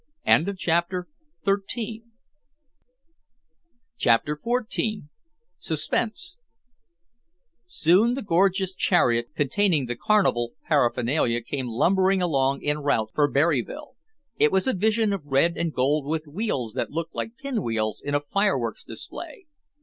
CHAPTER XIV SUSPENSE Soon the gorgeous chariot containing the carnival paraphernalia came lumbering along en route for Berryville. It was a vision of red and gold with wheels that looked like pinwheels in a fireworks display.